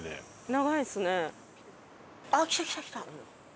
長いですね。